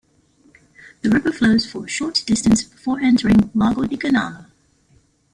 The river flows for a short distance before entering Lago di Gannano.